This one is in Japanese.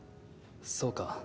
そうか。